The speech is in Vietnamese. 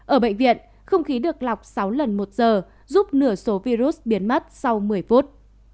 ở bệnh viện không khí được lọc sáu lần một giờ giúp nửa số virus biến mất sau một mươi phút